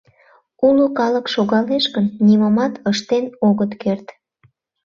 Уло калык шогалеш гын, нимомат ыштен огыт керт.